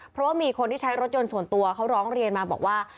เพราะว่ามีคนที่ใช้รถยนต์ส่วนตัวเขาร้องเรียนมาบอกว่า